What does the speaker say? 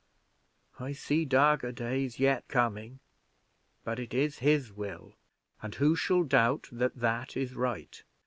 I see darker days yet coming but it is His will, and who shall doubt that that is right?